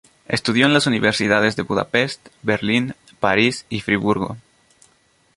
Estudió en las Universidades de Budapest, Berlín, París y Friburgo.